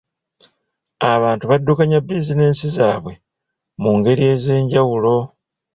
Abantu baddukanya bizinensi zaabwe mu ngeri ez'enjawulo.